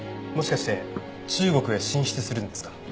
もしかして中国へ進出するんですか？